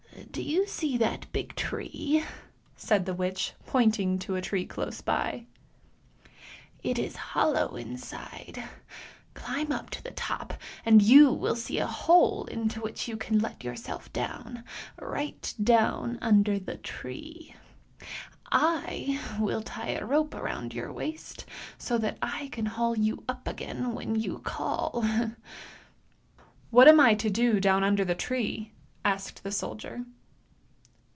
" Do you see that big tree !" said the witch, pointing to a tree close by. "It is hollow inside! Climb up to the top and you will see a hole into which you can let yourself down, right down under the tree ! I will tie a rope round your waist so that I can haul you up again when you call! "" What am I to do down under the tree? " asked the soldier.